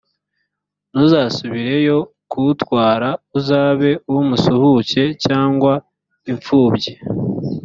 ntuzasubireyo kuwutwara; uzabe uw’umusuhuke, cyangwa impfubyi,